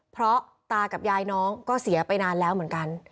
เพราะตากับยายน้องก็เสียไปนานแล้วเหมือนกัน